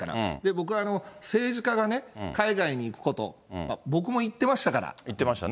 僕は政治家がね、海外に行くこと、行ってましたね。